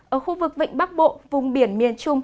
ở khu vực vịnh bắc bộ vùng biển miền trung